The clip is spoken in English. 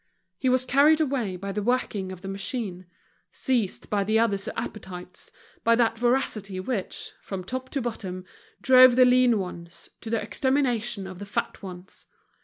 He was, carried away by the working of the machine, seized by the others' appetites, by that voracity which, from top to bottom, drove the lean ones to the extermination of the fat ones.